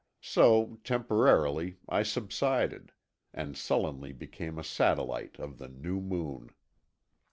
So, temporarily, I subsided, and sullenly became a satellite of the New Moon.